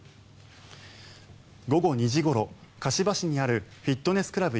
午後２時ごろ、香芝市にあるフィットネスクラブ